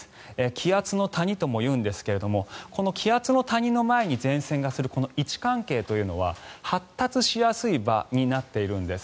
気圧の谷ともいうんですがこの気圧の谷の前に前線がいるこの位置関係というのは発達しやすい場になっているんです。